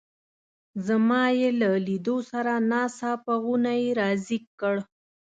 زما یې له لیدو سره ناڅاپه غونی را زېږ کړ.